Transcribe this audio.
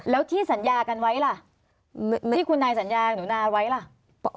แล้วที่สัญญากันไว้ล่ะที่คุณนายสัญญาหนูนาไว้ล่ะ